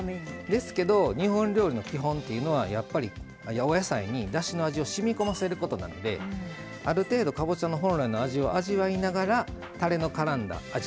ですけど日本料理の基本というのはやっぱりお野菜にだしの味をしみこませることなのである程度かぼちゃの本来の味を味わいながらたれのからんだ味